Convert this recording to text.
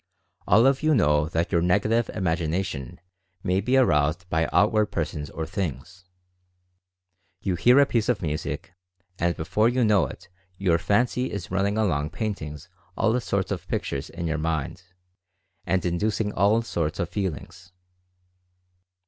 All of you know that your Negative Imagination may be aroused by outward persons or things. You hear a piece of music, and before you know it your Fancy is running along painting all sorts of pictures in your mind, and inducing all sorts of feelings.